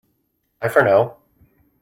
Bye for now!